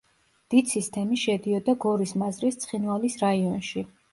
დიცის თემი შედიოდა გორის მაზრის ცხინვალის რაიონში.